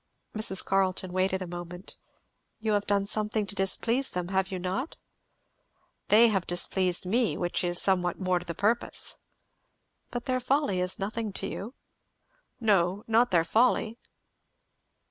Mrs. Carleton waited a moment. "You have done something to displease them, have you not?" "They have displeased me, which is somewhat more to the purpose. "But their folly is nothing to you?" "No, not their folly."